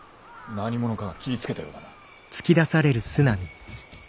何者かが斬りつけたようだな。